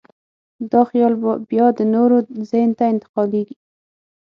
دا خیال بیا د نورو ذهن ته انتقالېږي.